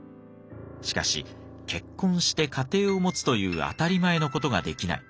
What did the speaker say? しかし結婚して家庭を持つという当たり前の事ができない。